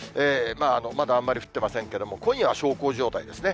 まだあんまり降ってませんけれども、今夜は小康状態ですね。